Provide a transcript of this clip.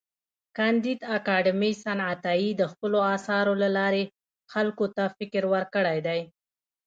کانديد اکاډميسن عطايي د خپلو اثارو له لارې خلکو ته فکر ورکړی دی.